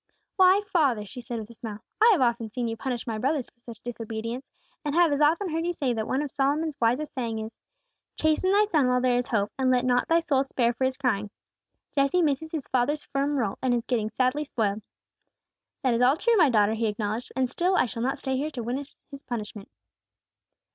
"Why, father," she said, with a smile, "I have often seen you punish my brothers for such disobedience, and have as often heard you say that one of Solomon's wisest sayings is, 'Chasten thy son while there is hope, and let not thy soul spare for his crying.' Jesse misses his father's firm rule, and is getting sadly spoiled." "That is all true, my daughter," he acknowledged; "still I shall not stay here to witness his punishment."